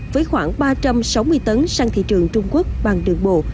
với khoảng ba trăm sáu mươi tấn sang thị trường trung quốc bằng đường bộ